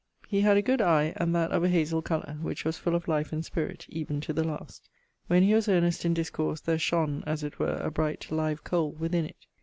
_ He had a good eie, and that of a hazell colour, which was full of life and spirit, even to the last. When he was earnest in discourse, there shone (as it were) a bright live coale within it.